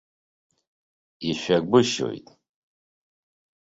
Ишәагәышьоит!